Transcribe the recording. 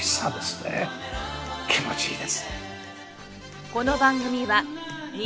気持ちいいです。